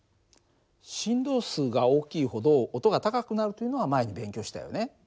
振動数が大きいほど音が高くなるというのは前に勉強したよね。